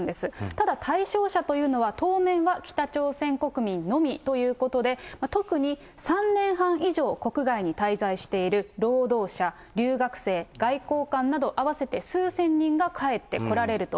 ただ対象者というのは当面は北朝鮮国民のみということで、特に３年半以上国外に滞在している労働者、留学生、外交官など、合わせて数千人が帰ってこられると。